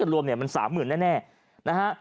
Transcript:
ก็เลยเป็นประมาณสักหมื่นกว่าแต่ถ้าลวมมัน๓๐๐๐๐แน่